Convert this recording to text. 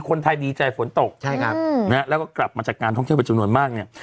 คนไทยดีใจฝนตกใช่ครับแล้วก็กลับมาจากการทศวิวตอบจนวนมากนี่